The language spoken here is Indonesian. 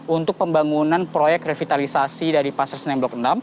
untuk pembangunan proyek revitalisasi dari pasar senen blok enam